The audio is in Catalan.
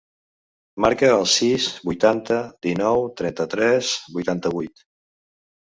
Marca el sis, vuitanta, dinou, trenta-tres, vuitanta-vuit.